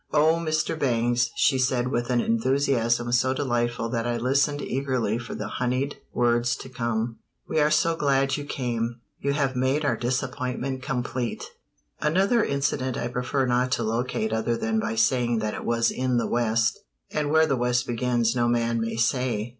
"Oh, Mr. Bangs," she said with an enthusiasm so delightful that I listened eagerly for the honeyed words to come, "we are so glad you came! You have made our disappointment complete!" Another incident I prefer not to locate other than by saying that it was in the West and where the West begins no man may say.